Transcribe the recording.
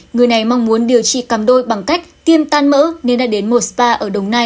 người này mong muốn điều trị cam đôi bằng cách tiêm tan mỡ nên đã đến một spa ở đồng nai